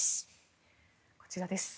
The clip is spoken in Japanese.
こちらです。